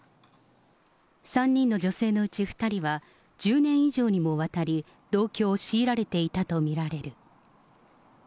３人の女性のうち２人は、１０年以上にもわたり、同居を強いられていたと見られる。